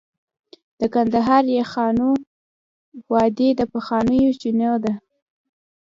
د کندهار شیخانو وادي د پخوانیو چینو ده